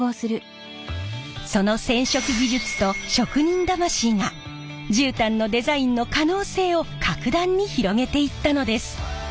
その染色技術と職人魂が絨毯のデザインの可能性を格段に広げていったのです。